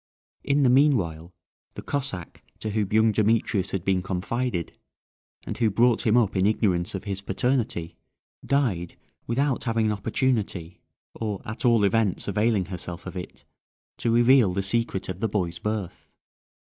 In the meanwhile, the Cossack to whom young Demetrius had been confided, and who brought him up in ignorance of his paternity, died without having any opportunity, or at all events availing herself of it, to reveal the secret of the boy's birth.